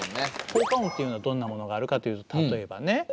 効果音っていうのはどんなものがあるかというと例えばね。